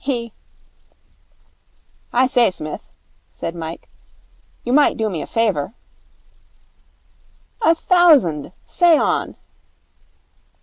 He ' 'I say, Smith,' said Mike, 'you might do me a favour.' 'A thousand. Say on.'